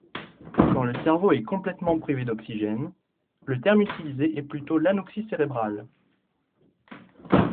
Quand le cerveau est complètement privé d'oxygène, le terme utilisé est plutôt l'anoxie cérébrale.